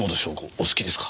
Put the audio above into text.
お好きですか？